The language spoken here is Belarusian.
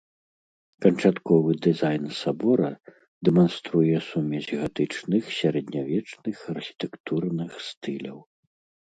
Канчатковы дызайн сабора дэманструе сумесь гатычных сярэднявечных архітэктурных стыляў.